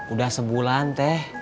udah sebulan teh